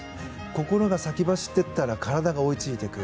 心が先走っていったら体が追いついていく。